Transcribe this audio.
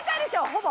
ほぼ。